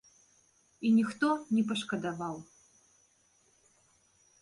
І ніхто не пашкадаваў.